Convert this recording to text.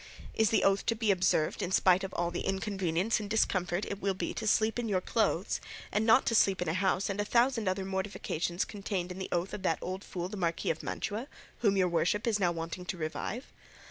Is the oath to be observed in spite of all the inconvenience and discomfort it will be to sleep in your clothes, and not to sleep in a house, and a thousand other mortifications contained in the oath of that old fool the Marquis of Mantua, which your worship is now wanting to revive?